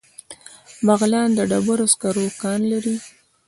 بغلان د ډبرو سکرو کان لري